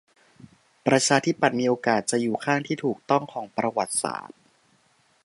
ประชาธิปัตย์มีโอกาสจะอยู่ข้างที่ถูกต้องของประวัติศาสตร์